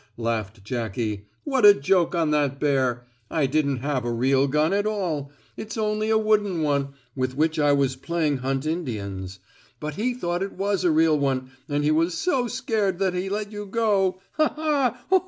laughed Jackie. "What a joke on that bear! I didn't have a real gun at all. It's only a wooden one, with which I was playing hunt Indians. But he thought it was a real one, and he was so scared that he let you go. Ha! Ha!